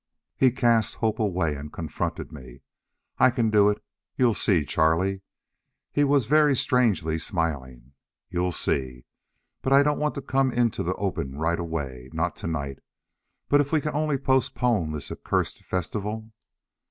He cast Hope away and confronted me. "I can do it! You'll see, Charlie." He was very strangely smiling. "You'll see. But I don't want to come into the open right away. Not to night. But if we can only postpone this accursed festival."